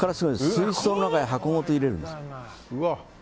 水槽の中へ箱ごと入れるんです。